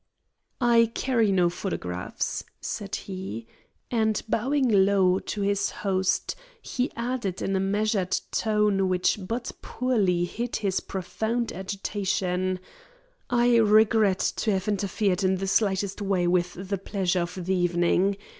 "I carry no photographs," said he; and, bowing low to his host, he added in a measured tone which but poorly hid his profound agitation, "I regret to have interfered in the slightest way with the pleasure of the evening.